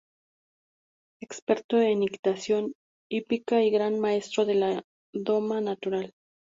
Experto en equitación, hípica y gran maestro de la doma natural.